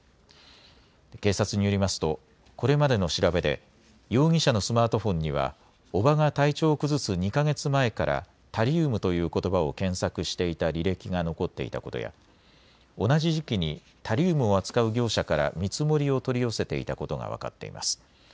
警察によりますとこれまでの調べで容疑者のスマートフォンには叔母が体調を崩す２か月前からタリウムということばを検索していた履歴が残っていたことや同じ時期にタリウムを扱う業者から見積もりを取り寄せていたことが分かっています。